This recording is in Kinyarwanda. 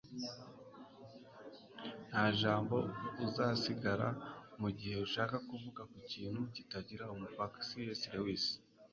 nta jambo uzasigara mugihe ushaka kuvuga ku kintu kitagira umupaka - c s lewis